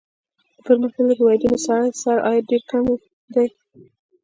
د پرمختیايي هېوادونو سړي سر عاید ډېر کم دی.